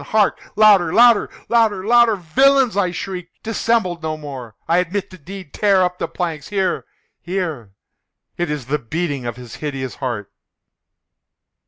—hark! louder! louder! louder! louder! "Villains!" I shrieked, "dissemble no more! I admit the deed!—tear up the planks!—here, here!—It is the beating of his hideous heart!"